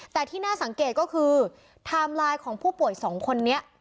แต่ที่น่าสังเกตก็คือไทม์ไลน์ของผู้ป่วยสองคนนี้